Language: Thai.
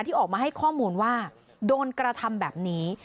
ที่ออกมาให้ข้อมูลว่าโดนกระทำแบบนี้